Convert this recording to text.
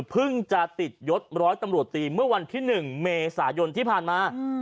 เพิ่งจะติดยศร้อยตำรวจตีเมื่อวันที่๑เมษายนที่ผ่านมา